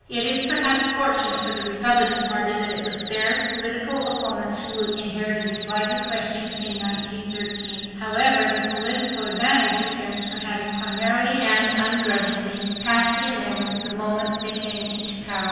It is perhaps fortunate for the Republican Party that it was their political opponents who inherited this lively question in 1913. However, the political advantage is theirs for having promptly and ungrudgingly passed the amendment the moment they came into power.